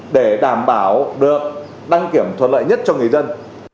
để đảm bảo được đăng kiểm thuận lợi nhất cho người dân